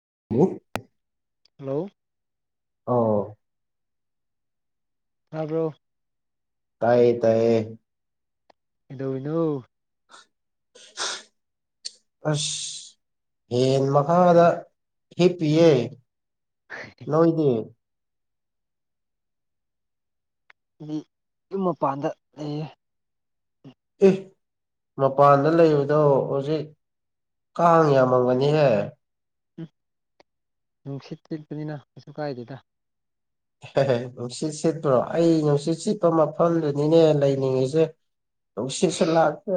[unintelligible] hello ꯑ ꯇꯥꯕꯔꯣ ꯇꯌꯦ ꯇꯌꯦ ꯀꯩꯗꯧꯔꯤꯅꯣ ꯑꯁ ꯐꯪꯟ ꯃꯈꯥꯗ ꯍꯤꯞꯄꯤꯌꯪ ꯂꯣꯏ ꯗꯤꯌꯦ ꯑꯩꯗꯤ ꯌꯨꯝ ꯃꯄꯥꯟꯗ ꯂꯩꯌꯦ ꯑꯦ ꯃꯄꯥꯟꯗ ꯂꯩꯕꯗꯣ ꯍꯧꯖꯤꯛ ꯀꯥꯥꯡ ꯌꯥꯝ ꯃꯝ ꯒꯥꯅꯤꯍꯦ ꯑꯪ ꯅꯨꯡꯁꯤꯠ ꯁꯤꯠꯄꯅꯤꯅ ꯀꯩꯁꯨ ꯀꯥꯢꯗꯦꯗ ꯍꯦꯍꯦ ꯅꯨꯡꯁꯤꯠ ꯁꯤꯠꯄ꯭ꯔꯣ ꯑꯩ ꯅꯨꯡꯁꯤꯠ ꯁꯤꯠꯄ ꯃꯐꯝꯗꯨꯅꯤꯅꯦ ꯂꯩꯅꯤꯡꯉꯤꯁꯦ ꯅꯨꯡꯁꯤꯠꯁꯨ ꯂꯥꯛꯇꯦ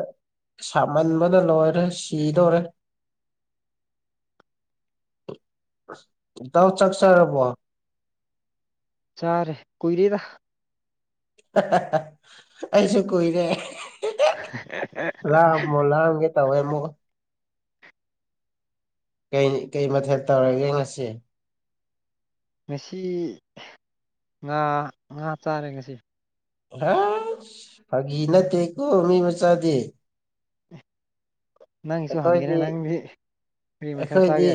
ꯁꯥꯃꯟꯕꯅ ꯂꯣꯏꯔꯦ ꯁꯤꯗꯣꯔꯦ ꯎꯟ [inaudible] ꯑꯁ ꯢꯇꯥꯎ ꯆꯥꯛ ꯆꯔꯥꯕꯣ ꯆꯥꯔꯦ ꯀꯨꯢꯔꯦꯗꯥ ꯍꯥꯍꯥꯍꯥ ꯍꯦꯍꯦ ꯂꯥꯝꯕꯣ ꯂꯥꯝꯒꯦ ꯇꯧꯑꯦꯃꯨꯛ ꯀꯩ ꯀꯩ ꯃꯊꯦꯜ ꯇꯧꯔꯒꯦ ꯉꯁꯤ ꯉꯁꯤ ꯉꯥ ꯉꯥ ꯆꯥꯔꯦ ꯉꯁꯤ ꯍꯁ ꯐꯥꯒꯤ ꯅꯠꯇꯦꯀꯣ ꯃꯤ ꯃꯆꯥꯗꯤ ꯅꯪꯁꯨ ꯍꯪꯒꯦꯅꯦ ꯑꯩꯈꯣꯏꯗꯤ ꯅꯪꯗꯤ ꯀꯔꯤ ꯃꯊꯦꯜ ꯑꯩꯈꯣꯏꯗꯤ ꯆꯥꯒꯦ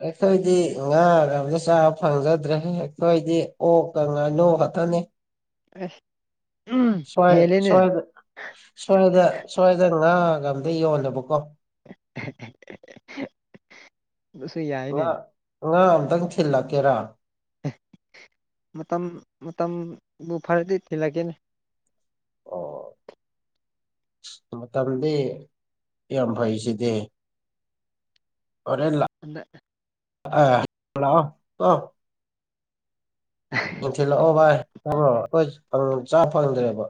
ꯑꯩꯈꯣꯏꯗꯤ ꯉꯥ ꯔꯧ ꯑꯃꯇ ꯆꯥꯕ ꯐꯪꯖꯗ꯭ꯔꯦ ꯑꯩꯈꯣꯏꯗꯤ ꯑꯣꯛꯀꯥ ꯉꯥꯅꯨ ꯈꯛꯇꯅꯤ ꯑꯩꯁ ꯁꯋꯥꯢ ꯁꯋꯥꯢꯗ ꯁꯋꯥꯢꯗ ꯁꯋꯥꯢꯗ ꯉꯥꯒ ꯑꯝꯇꯥ ꯌꯣꯟꯗꯥꯕꯀꯣ ꯍꯦꯍꯦꯍꯦꯍꯦꯍꯦꯍꯦ ꯑꯗꯨꯁꯨ ꯌꯥꯢꯅꯦ ꯑꯉꯥꯡ ꯑꯝꯇꯪ ꯊꯤꯜꯂꯛꯀꯦꯔꯥ ꯃꯇꯝ ꯃꯇꯝꯕꯨ ꯐꯔꯗꯤ ꯊꯤꯜꯂꯛꯀꯦꯅꯤ ꯎꯟ [inaudible] ꯑꯁ ꯃꯇꯝꯗꯤ ꯌꯥꯝ ꯐꯩꯁꯤꯗꯤ ꯐꯔꯦ ꯑꯗ ꯑ ꯍꯌꯦꯡ ꯂꯥꯛꯑꯣꯀꯣ ꯅꯨꯡꯊꯤꯜ ꯂꯦꯛꯑꯣ ꯕꯥꯢ ꯇꯕꯔꯣ ꯑꯩꯈꯣꯢ ꯆꯥ ꯐꯪꯗꯔꯦꯕ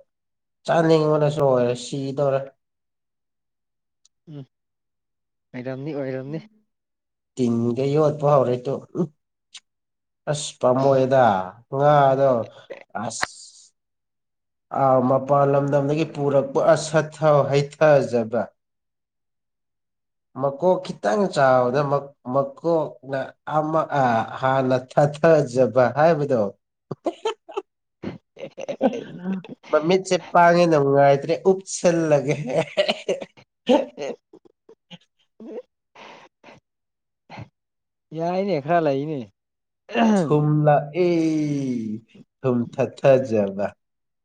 ꯆꯥꯅꯤꯡꯕꯅꯁꯨ ꯑꯣꯏꯔꯦ ꯁꯤ ꯗꯧꯔꯦ ꯎꯝ ꯑꯣꯏꯔꯝꯅꯤ ꯑꯣꯏꯔꯝꯅꯤ ꯇꯤꯟꯒ ꯌꯣꯠꯄ ꯍꯧꯔꯦ ꯇꯨ ꯑꯝ ꯑꯁ ꯄꯥꯝꯃꯣꯏꯗ ꯉꯥ ꯑꯗꯣ ꯑꯁ ꯑ ꯃꯄꯥꯟ ꯂꯝꯗꯝꯗꯒꯤ ꯄꯨꯔꯛꯄ ꯑꯁ ꯁꯠꯊꯥꯕ ꯍꯩꯊꯥꯖꯕ ꯃꯀꯣꯛ ꯈꯤꯇꯪ ꯆꯥꯎꯅ ꯃꯀꯣꯛꯅ ꯑꯃ ꯍꯥꯟꯅ ꯍꯩꯊꯥꯖꯕ ꯍꯥꯢꯕꯗꯣ ꯇꯥꯗꯔꯦ [inaudible] ꯃꯃꯤꯠꯁꯦ ꯄꯥꯡꯉꯦꯅꯉꯥꯏꯇ꯭ꯔꯦ ꯎꯞꯁꯤꯜꯂꯒꯦ ꯀ ꯌꯥꯏꯅꯦ ꯈꯔ ꯂꯩꯅꯦ ꯊꯨꯝꯂ ꯑꯦ ꯊꯨꯝ ꯊꯥ ꯊꯥꯖꯕ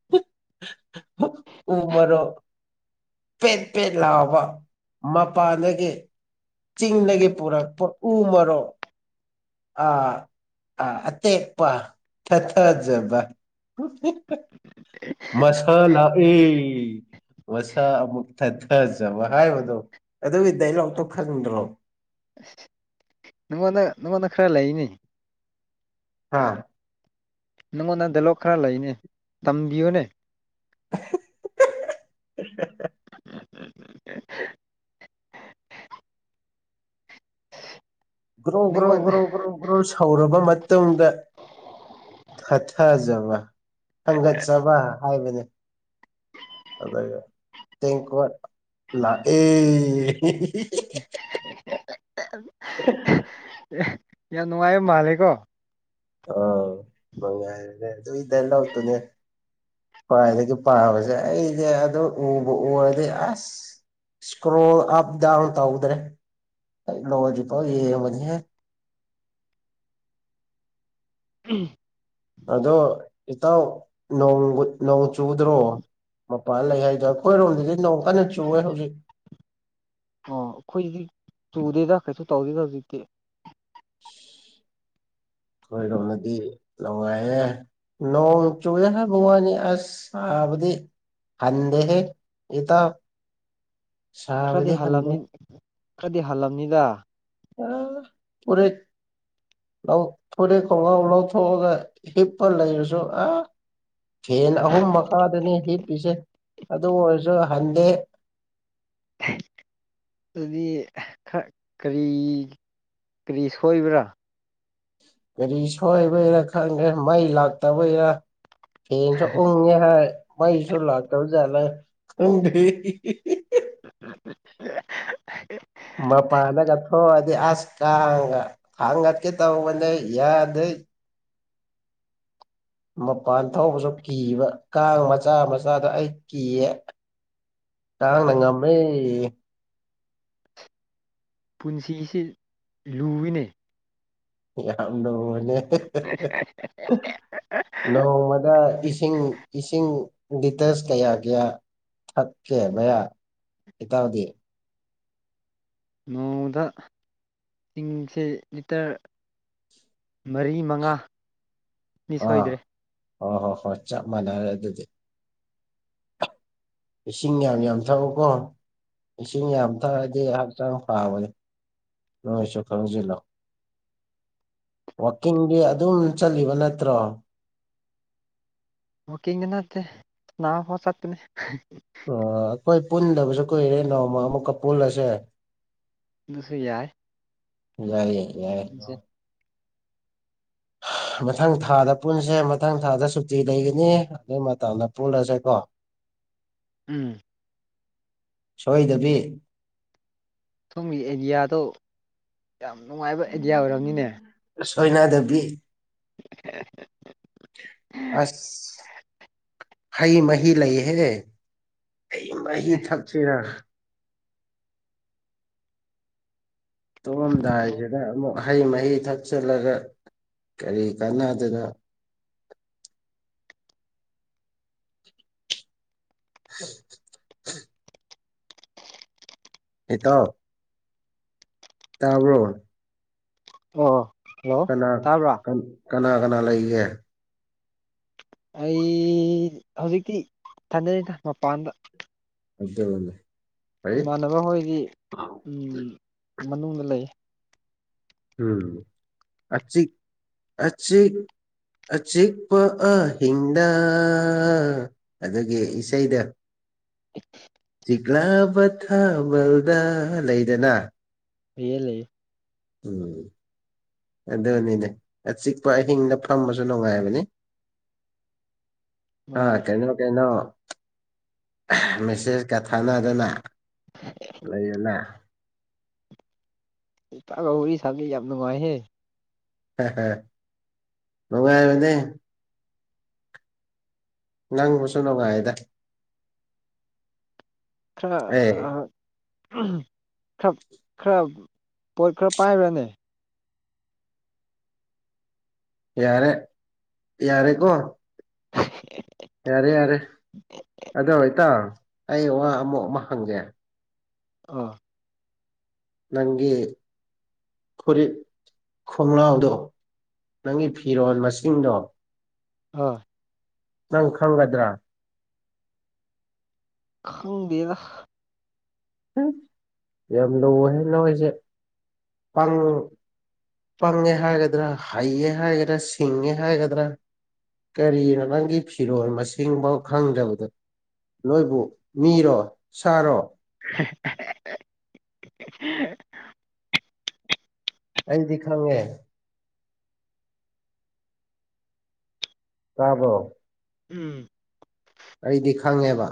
ꯇꯥꯗꯔꯦ [inaudible] ꯎꯃꯔꯣꯛ ꯄꯦꯠꯄꯦꯠ ꯂꯥꯎꯕ ꯃꯄꯥꯟꯘꯒꯤ ꯆꯤꯡꯗꯒꯤ ꯄꯨꯔꯛꯄ ꯎ ꯃꯔꯣꯛ ꯑꯥ ꯑꯥ ꯑꯇ‌ꯦꯛꯄ ꯊꯊꯥꯖꯕ ꯃꯁ ꯂꯥꯛꯑꯦ ꯃꯁꯥ ꯑꯃꯨꯛ ꯊꯥꯊꯖꯕ ꯍꯥꯏꯕꯗꯣ ꯑꯗꯨꯒꯤ ꯗꯥꯏꯂꯣꯛꯇꯣ ꯈꯡꯗ꯭ꯔꯣ ꯑꯁ ꯅꯉꯣꯟꯗ ꯅꯉꯣꯟꯗ ꯈꯔ ꯂꯩꯅꯤ ꯍꯥꯥ ꯅꯪꯉꯣꯟꯗ ꯗꯂꯣꯛ ꯈꯔ ꯂꯩꯅꯦ ꯇꯝꯕꯤꯌꯨꯅꯦ ꯎꯝ ꯎꯝ ꯎꯝ ꯒ꯭ꯔꯣ ꯒ꯭ꯔꯣ ꯅꯪꯉꯣꯟ ꯒ꯭ꯔꯣ ꯒ꯭ꯔꯣ ꯒ꯭ꯔꯣ ꯁꯧꯔꯕ ꯃꯇꯨꯡꯗ ꯊꯥꯊꯖꯕ ꯍꯟꯒꯠꯆꯕ ꯍꯥꯏꯕꯅꯤ ꯑꯗ ꯇꯦꯡꯀ‌ꯣꯠ ꯂꯛꯑꯦ [inaudible] [unintelligible] ꯌꯥꯝ ꯅꯨꯡꯉꯥꯏ ꯃꯥꯜꯂꯦꯀꯣ ꯑ ꯅꯨꯉꯥꯏꯔ‌ꯦ ꯑꯗꯨꯏ ꯗꯥꯏꯂ‌ꯣꯛꯇꯨꯅ‌ꯦ ꯈ꯭ꯋꯥꯏꯗꯒꯤ ꯄꯥꯕꯁꯦ ꯑꯩꯗꯤ ꯑꯗꯨ ꯎꯕꯨ ꯎꯔꯗꯤ ꯑꯁ ꯁꯀ꯭ꯔꯣꯜ ꯑꯞ ꯗꯥꯎꯟ ꯇꯧꯗ꯭ꯔꯦ [inaudible] [unintelligible] [inaudible] ꯑꯗꯣ ꯏꯇꯥꯎ ꯅꯣꯡ ꯆꯨꯗ꯭ꯔꯣ ꯃꯄꯥꯟ ꯂꯩ ꯍꯥꯏꯗꯣ ꯑꯩꯈꯣꯏꯔꯣꯝꯗꯗꯤ ꯅꯣꯡ ꯀꯟꯅ ꯆꯨꯑꯦ ꯍꯧꯖꯤꯛ ꯑꯣ ꯑꯩꯈꯣꯏꯁꯤꯗꯤ ꯆꯨꯗꯦꯗ ꯀꯩꯁꯨ ꯇꯧꯗꯦꯗ ꯍꯧꯖꯤꯛꯇꯤ ꯈꯣꯏꯔꯣꯝꯗꯗꯤ [unintelligible] ꯅꯣꯡ ꯆꯨꯗꯦ ꯍꯥꯏꯕ ꯋꯥꯅꯤ ꯑꯁ ꯁꯥꯕꯗꯤ ꯍꯟꯗꯦꯍꯦ ꯏꯇꯥꯎ ꯈꯔꯗꯤ ꯁꯥꯕꯗꯤ ꯍꯟꯗꯦ ꯍꯜꯂꯝꯅꯤ ꯈꯔꯗꯤ ꯍꯜꯂꯝꯅꯤꯗ [unintelligible] ꯂꯧ ꯐꯨꯔꯤꯠ ꯈꯣꯡꯒ꯭ꯔꯥꯎ ꯂꯧꯊꯣꯛꯑꯒ ꯍꯤꯞꯄ ꯂꯩꯔꯁꯨ ꯑ ꯐꯦꯟ ꯑꯍꯨꯝ ꯃꯈꯥꯗꯅꯤ ꯍꯤꯞꯄꯤꯁꯦ ꯑꯗꯨ ꯑꯣꯏꯔꯁꯨ ꯍꯟꯗꯦ [inaudible] ꯑꯗꯨꯗꯤ ꯈꯔ ꯀꯔꯤ ꯀꯔꯤ ꯁꯣꯏꯕ꯭ꯔꯥ ꯀꯔꯤ ꯁꯣꯏꯕꯩꯔꯥ ꯈꯪꯗꯦ ꯃꯩ ꯂꯥꯛꯇꯕꯩꯔ ꯐꯦꯟꯁꯨ ꯎꯪꯉꯦ ꯍꯥꯏ ꯃꯩꯁꯨ ꯂꯥꯛꯇꯕꯅꯤ [unintelligible] ꯃꯄꯥꯟꯗꯒ ꯊꯣꯛꯑꯗꯤ ꯑꯁ ꯀꯥꯡꯒ ꯊꯥꯡꯒꯠꯀꯦ ꯇꯧꯕꯅꯦ ꯌꯥꯗꯦ [unintelligible] ꯃꯄꯥꯟ ꯊꯧꯕꯁꯨ ꯀꯤꯕ ꯀꯥꯡ ꯃꯆꯥ ꯃꯆꯥꯗ ꯑꯩ ꯀꯤꯌꯦ [unintelligible] ꯉꯝꯃꯦ ꯄꯨꯟꯁꯤꯁꯤ ꯂꯨꯏꯅꯦ ꯌꯥꯝ ꯂꯨꯑꯦ [unintelligible] ꯅꯣꯡꯃꯗ ꯏꯁꯤꯡ ꯏꯁꯤꯡ ꯂꯤꯇꯔꯁ ꯀꯌꯥ ꯀꯌꯥ ꯊꯛꯀꯦ ꯃꯌꯥ ꯏꯇꯥꯎꯗꯤ ꯅꯣꯡꯃꯗ ꯢꯁꯤꯡꯁꯦ ꯂꯤꯇꯔ ꯃꯔꯤ ꯃꯉꯥ ꯗꯤ ꯁꯣꯏꯗ꯭ꯔꯦ ꯑꯣ ꯍꯣ ꯍꯣ ꯆꯞ ꯃꯥꯟꯅꯔꯦ ꯑꯗꯨꯗꯤ ꯏꯁꯤꯡ ꯌꯥꯝ ꯌꯥꯝ ꯊꯛꯎꯀꯣ ꯏꯁꯤꯡ ꯌꯥꯝ ꯊꯛꯑꯗꯤ ꯍꯛꯆꯥꯡ ꯐꯕꯅꯤ ꯅꯣꯢꯁꯨ ꯈꯪꯖꯤꯜꯂꯣ ꯋꯥꯛꯀꯤꯡꯗꯤ ꯑꯗꯨꯝ ꯆꯠꯂꯤꯕ ꯅꯠꯇ꯭ꯔꯣ ꯋꯥꯀꯤꯡꯒꯤ ꯅꯠꯇꯦ ꯆꯥꯕ ꯐꯥꯎ ꯆꯠꯄꯅꯤ ꯑ ꯑꯩꯈꯣꯏ ꯄꯨꯟꯗꯕꯁꯨ ꯀꯨꯏꯔꯦ ꯅꯣꯡꯃ ꯑꯃꯨꯛꯀ ꯄꯨꯜꯂꯁꯦ ꯑꯗꯨꯁꯨ ꯌꯥꯏ ꯌꯥꯏꯌꯦ ꯌꯥꯏ [unintelligible] ꯃꯊꯪ ꯊꯥꯗ ꯄꯨꯟꯁꯦ ꯃꯊꯪ ꯊꯥꯗ ꯁꯨꯇꯤ ꯂꯩꯒꯅꯤ ꯑꯗꯨꯒꯤ ꯃꯇꯝꯗ ꯄꯨꯜꯂꯁꯦꯀꯣ ꯎꯝ ꯁꯣꯏꯗꯕꯤ ꯁꯣꯝꯒꯤ ꯑꯦꯔꯤꯌꯥꯗꯣ ꯌꯥꯝ ꯅꯨꯡꯉꯥꯏꯕ ꯑꯦꯗꯤꯌꯥ ꯑꯣꯏꯔꯝꯅꯤꯅꯦ ꯁꯣꯏꯅꯗꯕꯤ [inaudible] ꯑꯁ ꯍꯩ ꯃꯍꯤ ꯂꯩꯍꯦ ꯍꯩ ꯃꯍꯤ ꯊꯛꯁꯤꯔꯥ ꯇꯨꯝꯂꯝꯗꯥꯏꯁꯤꯗ ꯑꯃꯨꯛ ꯍꯩ ꯃꯍꯤ ꯊꯛꯆꯤꯜꯂꯒ ꯀꯔꯤ ꯀꯥꯟꯅꯗꯨꯏꯅ [inaudible] [unintelligible] ꯏꯇꯥꯎ ꯇꯥꯕ꯭ꯔꯣ ꯑ‌ꯣ ꯀꯅꯥ ꯀꯅꯥ ꯀꯅꯥ ꯂꯩꯒ‌ꯦ ꯑꯩ ꯍꯧꯖꯤꯛꯇꯤ ꯏꯊꯟꯗꯅꯤꯗ ꯃꯄꯥꯟꯗ ꯑꯗꯨꯕꯨꯅ‌ꯦ ꯏꯃꯥꯟꯅꯕ ꯍꯣꯏꯗꯤ ꯃꯅꯨꯡꯗ ꯂꯩ ꯎꯝ ꯑꯆꯤꯛ ꯑꯆꯤꯛ ꯑꯆꯤꯛꯄ ꯑꯍꯤꯡꯗ ꯑꯗꯨꯒꯤ ꯏꯁꯩꯗꯨ [unintelligible] ꯆꯤꯛꯂꯕ ꯊꯥꯕꯜꯗ ꯂꯩꯗꯅ ꯂꯩꯌꯦ ꯂꯩꯌ‌ꯦ ꯎꯝ ꯑꯗꯨꯅꯤꯗ ꯑꯆꯤꯛꯄ ꯑꯍꯤꯡꯗ ꯐꯝꯕꯁꯨ ꯅꯨꯡꯉꯥꯏꯕꯅꯤ ꯑ ꯃꯥꯅꯦ ꯀꯩꯅ‌ꯣ ꯀꯩꯅ‌ꯣ ꯃꯦꯁꯦꯖꯀ ꯊꯥꯅꯗꯅ ꯂꯩꯌꯦꯅ ꯏꯇꯥꯎꯒ ꯌꯥꯔꯤ ꯁꯥꯕ ꯌꯥꯝ ꯅꯨꯡꯉꯥꯏ ꯍꯦ ꯍꯥ ꯍꯥ ꯅꯨꯡꯉꯥꯏꯕꯅ‌ꯦ ꯅꯪꯕꯨꯨꯁꯨ ꯅꯣꯡꯉꯥꯏꯗ ꯈꯔ ꯑ ꯑꯦ ꯈꯔ ꯈꯔ ꯄꯣꯠ ꯈꯔ ꯄꯥꯏꯕ꯭ꯔꯅꯦ ꯌꯥꯔꯦ ꯌꯥꯔꯦꯀꯣ [unintelligible] ꯌꯥꯔꯦ ꯌꯥꯔꯦ ꯑꯗꯣ ꯏꯇꯥꯎ ꯑꯩ ꯋꯥ ꯑꯃꯨꯛ ꯑꯃ ꯍꯪꯒ‌ꯦ ꯑꯥ ꯅꯪꯒꯤ ꯐꯨꯔꯤꯠ ꯈꯣꯝꯂꯥꯎꯗꯣ ꯅꯪꯒꯤ ꯐꯤꯔꯣꯜ ꯃꯁꯤꯡꯗꯣ ꯑ ꯅꯪ ꯈꯪꯒꯗ꯭ꯔꯥ ꯈꯪꯗꯦꯗ ꯌꯥꯝ ꯂꯨꯏ ꯍ‌ꯦ ꯅ‌ꯣꯏꯁꯦ ꯄꯪ ꯄꯪꯉꯦ ꯍꯥꯏꯒꯗ꯭ꯔꯥ ꯍꯩꯌꯦ ꯍꯥꯏꯒꯗ꯭ꯔꯥ ꯁꯤꯡꯉꯦ ꯍꯥꯏꯒꯗ꯭ꯔꯥ ꯀꯔꯤꯅꯣ ꯅꯪꯒꯤ ꯐꯤꯔꯣꯜ ꯃꯁꯤꯡꯕꯥꯎ ꯈꯪꯗꯕꯗꯣ ꯅꯣꯏꯕꯨ ꯃꯤꯔꯣ ꯁꯥꯔꯣ [unintelligible] ꯑꯩꯗꯤ ꯈꯪꯉꯦ ꯇꯥꯕꯣ ꯎꯝ ꯑꯩꯗꯤ ꯈꯪꯉꯦꯕ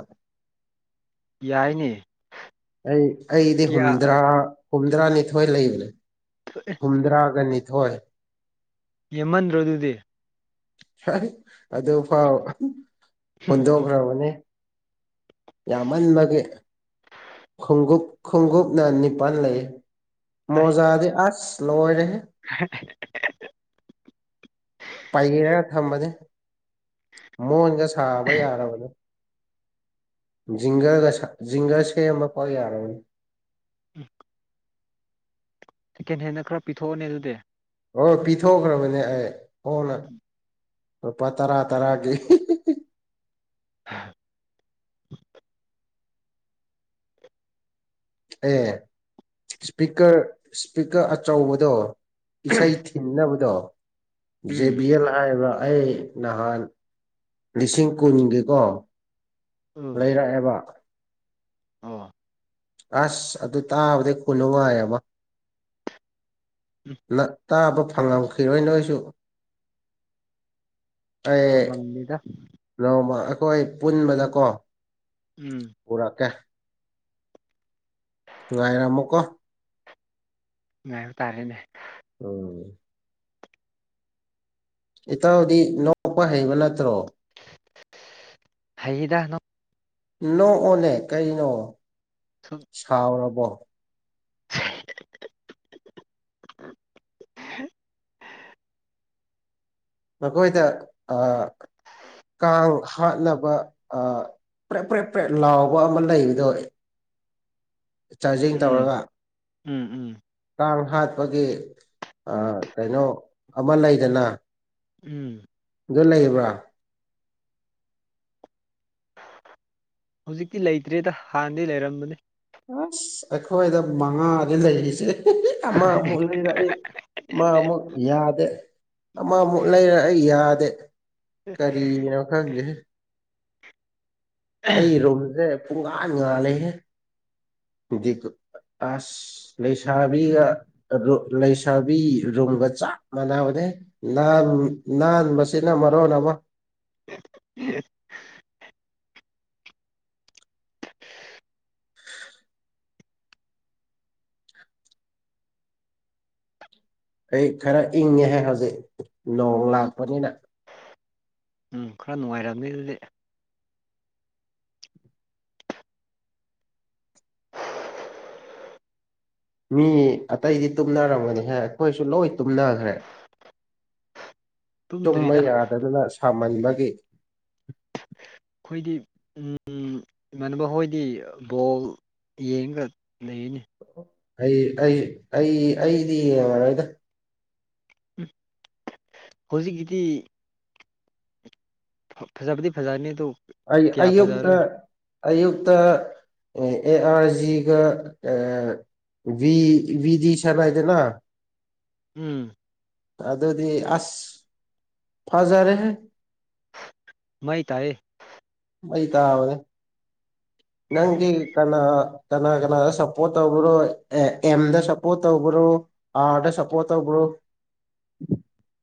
ꯌꯥꯏꯅꯦ ꯑꯩ ꯑꯩꯗꯤ ꯀꯌꯥ ꯍꯨꯝꯗ꯭ꯔꯥ ꯍꯨꯝꯗ꯭ꯔꯥꯅꯤꯊꯣꯏ ꯂꯩꯕꯅꯦ ꯍꯨꯝꯗ꯭ꯔꯥꯒ ꯅꯤꯊꯣꯏ ꯌꯦꯦꯝꯃꯟꯗ꯭ꯔꯣꯗꯨꯗꯤ ꯑꯗꯨ ꯐꯥꯎ ꯍꯨꯟꯗꯣꯛꯈ꯭ꯔꯕꯅꯦ ꯌꯥꯝꯃꯟ ꯃꯒꯦ ꯈꯣꯡꯎꯞ ꯈꯣꯡꯎꯞꯅ ꯅꯤꯄꯥꯥꯟ ꯂꯩ ꯑꯁ ꯃꯣꯖꯥꯗꯦ ꯑꯁ ꯂꯣꯏꯔꯦ [unintelligible] ꯄꯥꯏꯒꯦꯔꯒ ꯊꯝꯕꯅꯤ ꯃꯣꯟꯒ ꯁꯥꯕ ꯌꯥꯔꯕꯅꯤ ꯖꯤꯡꯒꯔꯒ ꯖꯤꯡꯒꯔ ꯁꯦꯝ ꯑꯃ ꯄ ꯌꯥꯔꯅꯤ ꯎꯝ ꯁꯦꯀꯦꯟ ꯍꯦꯟꯅ ꯈꯔ ꯄꯤꯊꯣꯛꯑꫭꯅꯦ ꯑꯗꯨꯗꯤ ꯑꫭ ꯄꯤꯊꯣꯛꯈ꯭ꯔꯕꯅꯦ ꯑꯩ ꯍꯣꯡꯅ ꯔꯨꯄꯥ ꯇꯔꯥ ꯇꯔꯥꯒꯤ [unintelligible] [unintelligible] ꯑꯦ ꯏꯁꯄꯤꯀꯔ ꯏꯁꯄꯤꯀꯔ ꯑꯆꯧꯕꯗꯣ ꯏꯁꯩ ꯊꯤꯟꯅꯕꯗꯣ ꯖꯦ ꯎꯝ ꯕꯤ ꯑꯦꯜ ꯍꯥꯑꯕ ꯑꯩ ꯅꯍꯥꯟ ꯂꯤꯁꯤꯡ ꯀꯨꯟꯒꯤꯀꯣ ꯂꯩꯔꯛꯑꯦꯕ ꯑ ꯑꯁ ꯑꯗꯨ ꯇꯥꯕꯗꯩ ꯈꯨꯅꯨꯡꯉꯥꯏ ꯑꯃ ꯎꯝ ꯅ ꯇꯥꯕ ꯐꯪꯉꯝꯈꯤꯔꯣꯏ ꯅꯣꯏꯁꯨ ꯑꯩ ꯐꯪꯉꯝꯅꯤꯗ ꯅꯣꯡꯃ ꯑꯈꯣꯏ ꯄꯨꯟꯕꯗꯀꯣ ꯎꯝ ꯄꯨꯔ ꯀꯦ ꯉꯥꯏꯔꯃꫭ ꯀꯣ ꯉꯥꯏꯕ ꯇꯥꯔꯦꯅꯦ ꯎꯝ ꯏꯇꯥꯎꯗꯤ ꯅꯣꯛꯄ ꯍꯩꯕ ꯅꯠꯇ꯭ꯔꯣ ꯍꯩꯏꯗ ꯅꯣꯛꯑꯣꯅꯦ ꯀꯩꯅꯣ ꯁꯨꯝ ꯁꯥꯎꯔꯕꯣ [unintelligible] ꯃꯈꯣꯏꯗ ꯑ ꯀꯥꯡ ꯍꯥꯠꯅꯕ ꯑ ꯄ꯭ꯔꯦꯞ ꯄ꯭ꯔꯦꯠ ꯄ꯭ꯔꯦ ꯂꯥꯎꯕ ꯑꯃ ꯂꯩꯕꯗꯣ ꯑꯩ ꯆꯥꯔꯖꯤꯡ ꯎꯝ ꯇꯧꯔꯒ ꯎꯝ ꯎꯝ ꯀꯥꯡ ꯍꯥꯠꯄꯒꯤ ꯑ-ꯀꯩꯅꯣ ꯑꯃ ꯂꯩꯗꯅ ꯎꯝ ꯑꯗꯨ ꯂꯩꯕ꯭ꯔꯥ ꯍꯨꯖꯤꯛꯇꯤ ꯂꯩꯇ꯭ꯔꯦꯗ ꯍꯥꯟꯅꯗꯤ ꯂꯩꯔꯝꯕꯅꯦ ꯑꯁ ꯑꯩꯈꯣꯏꯗ ꯃꯉꯥꯗꯤ ꯂꯩꯔꯤꯁꯦ [unintelligible] ꯑꯃ ꯑꯃꯨꯛ ꯂꯩꯔꯛꯏ ꯑꯃ ꯑꯃꯨꯛ ꯌꯥꯗꯦ ꯑꯃꯃꯨꯛ ꯂꯩꯔ ꯑꯩ ꯌꯥꯗꯦ ꯀꯔꯤꯅꯣ ꯈꯪꯗꯦꯍꯦ ꯑꯩ ꯔꯨꯝꯖꯦ ꯄꯨꯡꯉꯥꯟ ꯉꯥꯜꯂꯦꯍꯦ [inaudible] ꯑꯁ ꯂꯩꯁꯥꯕꯤꯒ [unintelligible] ꯂꯩꯁꯥꯕꯤ ꯔꯨꯝꯒ ꯆꯥꯞ ꯃꯥꯅꯕꯅꯦ ꯍꯦ ꯅꯥꯟ ꯅꯥꯟꯕꯁꯤꯅ ꯃꯔꫭꯟ ꯑꯃ [unintelligible] ꯑꯩ ꯈꯔ ꯏꯪꯉꯦꯍꯦ ꯍꯧꯖꯤꯛ ꯅꯣꯡ ꯂꯥꯛꯄꯅꯤꯅ ꯎꯝ ꯈꯔ ꯅꯨꯡꯉꯥꯏꯔꯝꯅꯤ ꯑꯗꯨꯗꯤ ꯃꯤ ꯑꯇꯩꯗꯤ ꯇꯨꯝꯅꯔꯝꯒꯅꯤꯍꯦ ꯑꯩꯈꯣꯏꯁꯨ ꯂꯣꯏ ꯇꯨꯝꯅꯈ꯭ꯔꯦ ꯇꯨꯝꯕ ꯇꯨꯝꯗ꯭ꯔꯤꯗ ꯌꯥꯗꯗꯅ ꯁꯥꯃꯟꯕꯒꯤ ꯑꯩꯈꯣꯏꯗꯤ ꯎꯝ ꯏꯃꯥꯟꯅꯕ ꯍꯣꯏꯗꯤ ꯕꯣꯜ ꯌꯦꯡꯒ ꯂꯩꯌꯦꯅꯦ ꯑꯩ ꯑꯩ ꯑꯩ ꯑꯩꯗꯤ ꯌꯦꯡꯉꯔꫭꯏꯗ ꯎꯝ ꯍꫭꯖꯤꯀꯤꯗꯤ ꯐ-ꯐꯖꯥꯕꯗꯤ ꯐꯖꯥꯅꯤꯗꫭ ꯑꯩ ꯑꯌꯨꯛꯇ ꯑꯌꯨꯛꯇ ꯑꯦ ꯑꯦ ꯑꯥꯔꯖꯤꯒ ꯑ ꯕꯤ ꯕꯤꯗꯤ ꯁꯅꯩꯗꯅꯥ ꯎꯝ ꯑꯗꯨꯗꯤ ꯑꯁ ꯐꯥꯖꯔꯦꯍꯦ ꯃꯩ ꯇꯥꯌꯦ ꯑꯩ ꯇꯥꯕꯅꯦ [unintelligible] ꯅꯪꯗꯤ ꯀꯅꯥ ꯀꯅꯥ ꯀꯅꯥꯗ ꯁꯞꯄꯣꯔꯠ ꯇꯧꯕ꯭ꯔꯣ ꯑꯦꯝꯗ ꯁꯞꯄꯣꯔꯠ ꯇꯧꯕ꯭ꯔꯣ ꯑ ꯑꯗꯁꯄꯣꯠꯇꯧꯕ꯭ꯔꯣ [unintelligible]